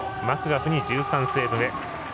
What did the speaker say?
マクガフに１３セーブ目。